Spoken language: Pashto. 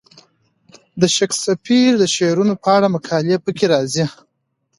د شکسپیر د شعرونو په اړه مقالې پکې راځي.